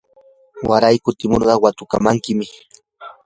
waray kutimurqa watkamankim.